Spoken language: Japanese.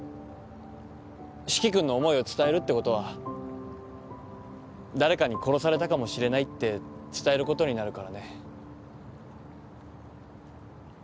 四鬼君の思いを伝えるってことは誰かに殺されたかもしれないって伝えることになるからね。